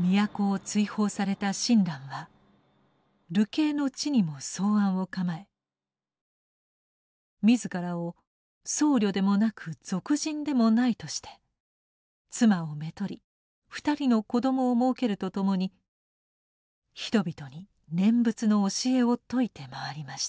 都を追放された親鸞は流刑の地にも草庵を構え自らを「僧侶でもなく俗人でもない」として妻をめとり２人の子どもをもうけるとともに人々に念仏の教えを説いて回りました。